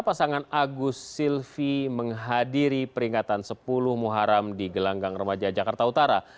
pasangan agus silvi menghadiri peringatan sepuluh muharam di gelanggang remaja jakarta utara